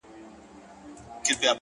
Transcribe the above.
د زړه روڼتیا د ژوند ښکلا زیاتوي.!